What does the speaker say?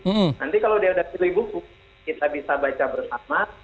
nanti kalau dia sudah pilih buku kita bisa baca bersama